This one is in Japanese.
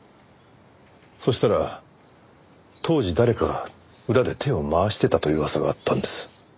そしたら当時誰かが裏で手を回してたという噂があったんです。